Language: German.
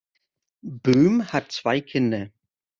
Böhm hat zwei Kinder.